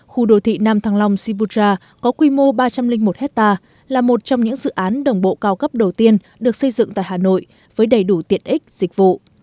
khu đô thị nam thăng long sibuja có quy mô ba trăm linh một hectare là một trong những dự án đồng bộ cao cấp đầu tiên được xây dựng tại hà nội với đầy đủ tiện ích dịch vụ